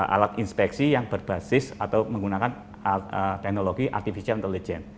alat inspeksi yang berbasis atau menggunakan teknologi artificial intelligence